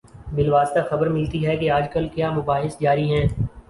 بالواسطہ خبر ملتی ہے کہ آج کل کیا مباحث جاری ہیں۔